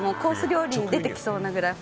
料理に出てきそうなぐらい